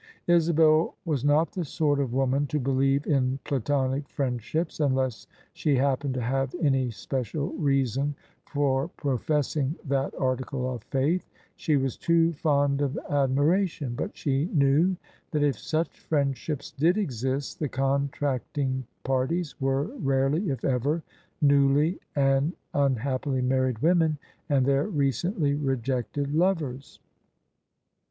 Isabel was not the sort of woman to believe in platonic friendships, unless she hap pened to have any special reason for professing that article of faith: she was too fond of admiration: but she knew that if such friendships did exist, the contracting parties were rarely — if ever — newly and unhappily married women and their recently rejected lovers.